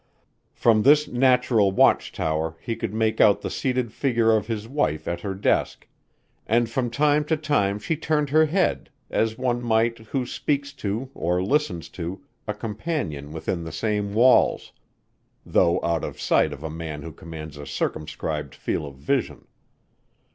From this natural watch tower he could make out the seated figure of his wife at her desk and from time co time she turned her head, as one might, who speaks to, or listens to, a companion within the same walls, though out of sight of a man who commands a circumscribed field of vision.